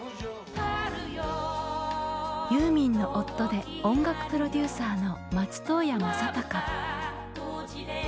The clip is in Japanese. ユーミンの夫で音楽プロデューサーの松任谷正隆。